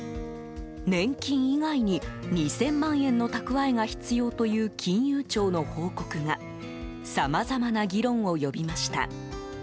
年金以外に２０００万円の蓄えが必要という金融庁の報告がさまざまな議論を呼びました。